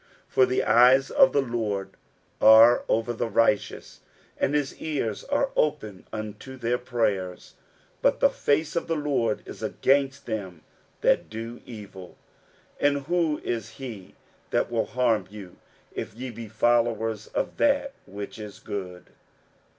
60:003:012 For the eyes of the Lord are over the righteous, and his ears are open unto their prayers: but the face of the Lord is against them that do evil. 60:003:013 And who is he that will harm you, if ye be followers of that which is good?